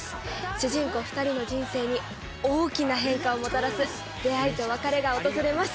主人公２人の人生に大きな変化をもたらす出会いと別れが訪れます。